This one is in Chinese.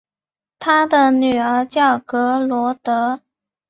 他的女儿叫格萝德。